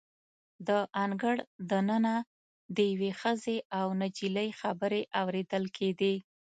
د انګړ د ننه د یوې ښځې او نجلۍ خبرې اوریدل کیدې.